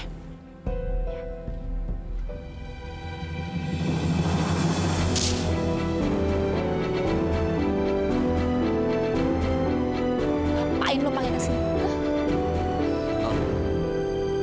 ngapain lo panggil kesini